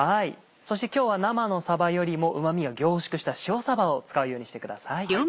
そして今日は生のさばよりもうま味が凝縮した塩さばを使うようにしてください。